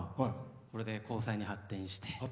それで交際に発展して。